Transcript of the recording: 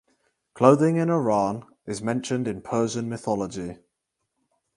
Clothing in Iran is mentioned in Persian mythology.